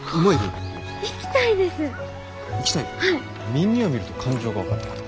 耳を見ると感情が分かる。